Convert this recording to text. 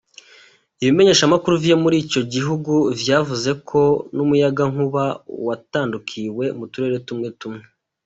Ibimenyeshamakuru vyo muri ico gihugu vyavuze ko n'umuyagankuba watandukiwe mu turere tumwe tumwe.